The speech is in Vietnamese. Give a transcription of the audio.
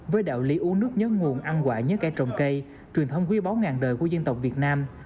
với đạo lý u nước nhớ nguồn ăn quả nhớ cải trồng cây truyền thông quý bó ngàn đời của dân tộc việt nam